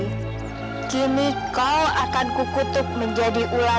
panji kini kau akan kukutuk menjadi ulang